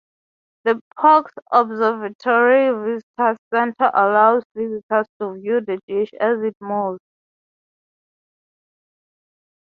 The Parkes Observatory Visitors Centre allows visitors to view the dish as it moves.